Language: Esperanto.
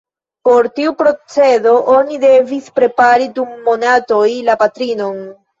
Por tiu procedo oni devis prepari dum monatoj la patrinon.